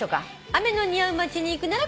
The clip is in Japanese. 「雨の似合う街に行くなら」